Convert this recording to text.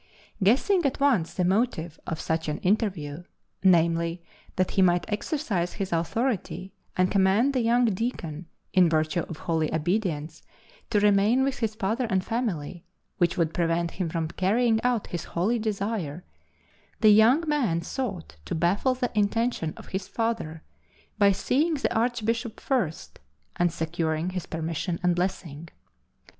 Guessing at once the motive of such an interview, namely, that he might exercise his authority and command the young deacon, in virtue of holy obedience, to remain with his father and family, which would prevent him from carrying out his holy desire, the young man sought to baffle the intention of his father by seeing the Archbishop first and securing his permission and blessing.